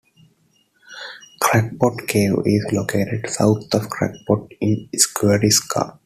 Crackpot Cave is located south of Crackpot in Scurvey Scar.